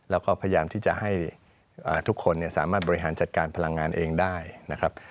แล้วก็พยายามที่จะให้ทุกคนสามารถบริหารจัดการพลังงานเองได้นะครับ